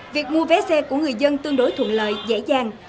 việc mua vé xe của người dân tương đối thuận lợi dễ dàng